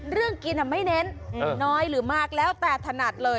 เรื่องกินไม่เน้นน้อยหรือมากแล้วแต่ถนัดเลย